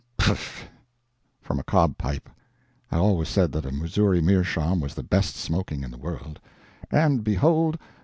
"Piff!" from a cob pipe (I always said that a Missouri meerschaum was the best smoking in the world), and, behold!